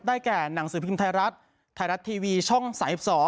ได้แก่หนังสือพิมพ์ไทรัตรไทรัตทีวีช่องสาย๒๒